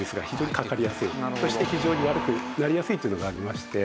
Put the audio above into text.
そして非常に悪くなりやすいというのがありまして。